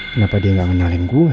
kenapa dia gak ngenalin gue